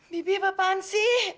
bibi apaan sih